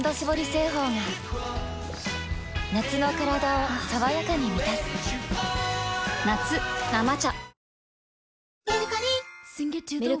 製法が夏のカラダを爽やかに満たす夏「生茶」